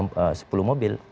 mereka perlu mobil